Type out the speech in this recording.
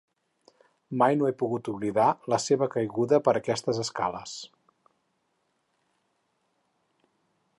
Mai no he pogut oblidar la seva caiguda per aquestes escales.